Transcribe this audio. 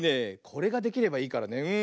これができればいいからね。